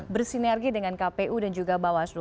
bersinergi dengan kpu dan juga bawaslu